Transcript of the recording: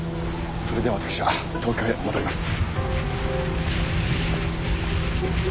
それではわたくしは東京へ戻ります。